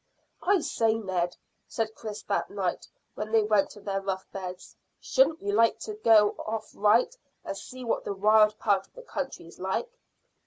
"I say, Ned," said Chris that night when they went to their rough beds, "shouldn't you like to go right off and see what the wild part of the country's like?"